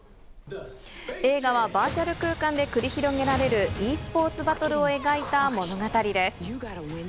映画はバーチャル空間で繰り広げられるｅスポーツバトルを描いた物語です。